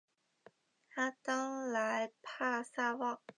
阿当莱帕萨旺。